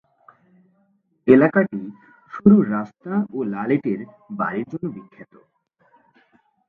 এলাকাটি সরু রাস্তা ও লাল ইটের বাড়ির জন্য বিখ্যাত।